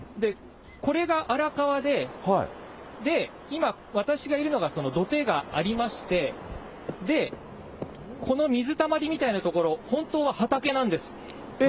これが荒川で、今、私がいるのが土手がありまして、この水たまりみたいな所、本当は畑なんです。